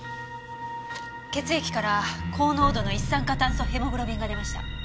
血液から高濃度の一酸化炭素ヘモグロビンが出ました。